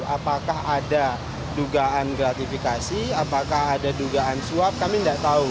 apakah ada dugaan gratifikasi apakah ada dugaan suap kami tidak tahu